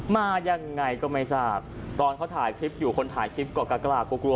มายังไงก็ไม่ทราบตอนเขาถ่ายคลิปอยู่คนถ่ายคลิปก็กล้ากลัวกลัว